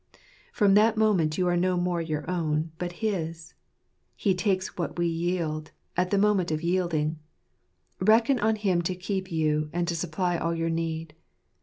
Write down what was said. From that moment you are no more your own, but his ; He takes what we yield, at the moment of yielding ; reckon on Him to keep you, and to supply all your need.